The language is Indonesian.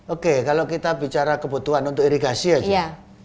oke kalau kita bicara kebutuhan untuk irigasi aja